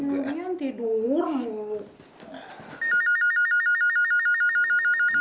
mungkin tidur dulu